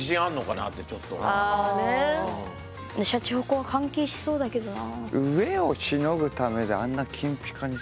シャチホコは関係しそうだけどな。